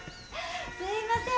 すいません